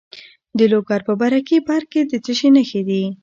د لوګر په برکي برک کې د څه شي نښې دي؟